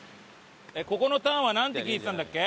ここのターンはなんて聞いてたんだっけ？